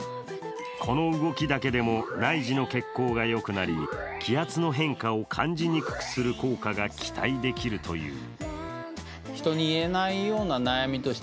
この動きだけでも内耳の血行がよくなり気圧の変化を感じにくくする効果が期待できるという。